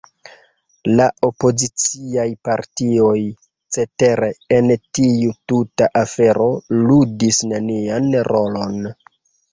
La opoziciaj partioj, cetere, en tiu tuta afero ludis nenian rolon.